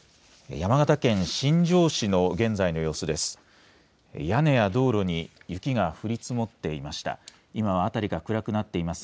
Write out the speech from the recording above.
山形県新庄市の現在の様子です。